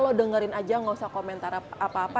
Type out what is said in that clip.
lo dengerin aja gak usah komentar apa apa